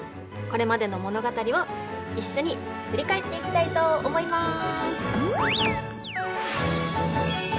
これまでの物語を一緒に振り返っていきたいと思います！